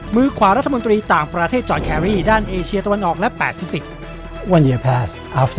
มือขวารัฐมนตรีต่างประเทศจอนแครรี่ด้านเอเชียตะวันออกและแปซิฟิกส์